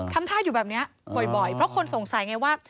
ทำท่าอยู่แบบนี้บ่อยเพราะคนสงสัยไงว่า